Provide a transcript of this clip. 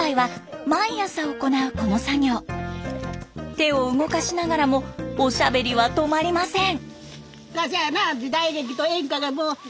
手を動かしながらもおしゃべりは止まりません。